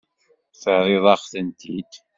Terriḍ-aɣ-tent-id.